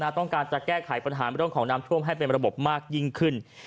ต้องการจะแก้ไขปัญหาเรื่องของน้ำท่วมให้เป็นระบบมากยิ่งขึ้น